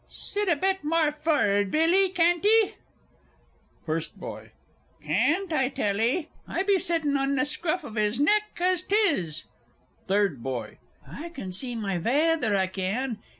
Sit a bit moor forrard, Billy, cann't 'ee! FIRST BOY. Cann't, I tell 'ee, I be sittin' on th' scruff of 'is neck as 'tis. THIRD BOY. I can see my vaither, I can.